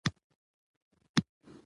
اداري شفافیت د شک فضا له منځه وړي